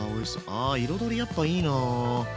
あ彩りやっぱいいな。